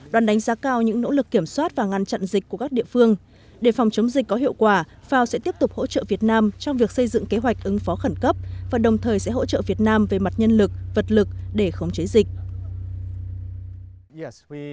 đoàn đánh giá cao những nỗ lực kiểm soát và ngăn chặn dịch của các địa phương để phòng chống dịch có hiệu quả fao sẽ tiếp tục hỗ trợ việt nam trong việc xây dựng kế hoạch ứng phó khẩn cấp và đồng thời sẽ hỗ trợ việt nam về mặt nhân lực vật lực để khống chế dịch